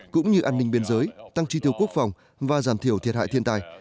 cũng như an ninh biên giới tăng tri tiêu quốc phòng và giảm thiểu thiệt hại thiên tai